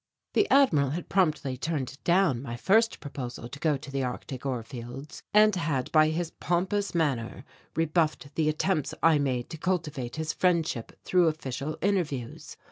The Admiral had promptly turned down my first proposal to go to the Arctic ore fields, and had by his pompous manner rebuffed the attempts I made to cultivate his friendship through official interviews.